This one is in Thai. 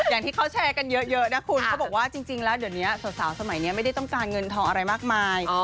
อย่างที่เขาแชร์กันเยอะนะคุณเขาบอกว่าจริงแล้วเดี๋ยวนี้สาวสมัยนี้ไม่ได้ต้องการเงินทองอะไรมากมาย